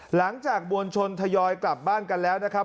หลังจากมวลชนทยอยกลับบ้านกันแล้วนะครับ